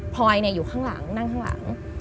พลอยอยู่ข้างหลังนั่งข้างหลัง